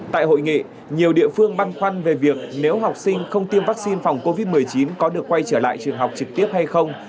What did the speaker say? tại hội nghị nhiều địa phương băn khoăn về việc nếu học sinh không tiêm vaccine phòng covid một mươi chín có được quay trở lại trường học trực tiếp hay không